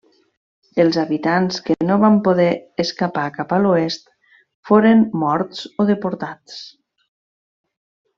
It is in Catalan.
Els habitants que no van poder escapar cap a l'oest foren morts o deportats.